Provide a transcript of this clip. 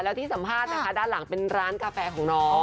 แล้วที่สัมภาษณ์นะคะด้านหลังเป็นร้านกาแฟของน้อง